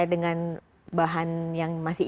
dengan bahan yang masih